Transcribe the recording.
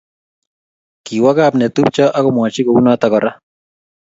kiwaa kapnetupcho akomwachii kounatok kora